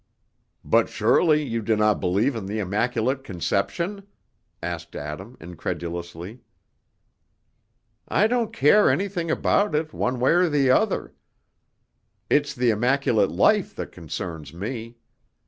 '" "But surely you do not believe in the Immaculate Conception?" asked Adam, incredulously. "I don't care anything about it, one way or the other. It's the immaculate life that concerns me.